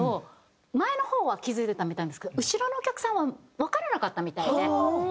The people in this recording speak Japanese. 前の方は気付いてたみたいなんですけど後ろのお客さんはわからなかったみたいで。